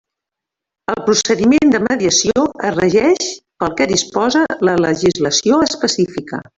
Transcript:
El procediment de mediació es regeix pel que disposa la legislació específica.